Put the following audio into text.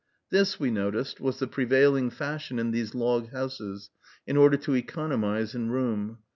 This, we noticed, was the prevailing fashion in these log houses, in order to economize in room.